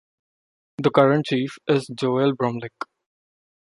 The current Chief is Joel Brumlik.